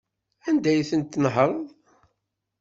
Anda ay tent-tnehṛeḍ?